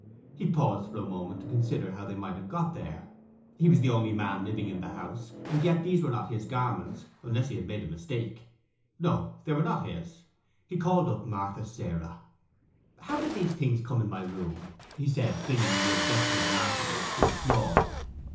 He paused for a moment to consider how they might have got there. He was the only man living in the house; and yet these were not his garments, unless he had made a mistake. No, they were not his. He called up Martha Sarah. 'How did these things come in my room?' he said, flinging the objectionable articles to the floor.